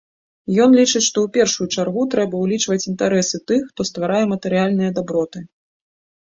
Ён лічыць, што ў першую чаргу трэба ўлічваць інтарэсы тых, хто стварае матэрыяльныя даброты.